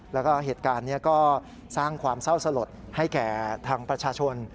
แล้วก็เหตุการณ์นี้ก็สร้างความเศร้าสลดให้แก่ทางประชาชน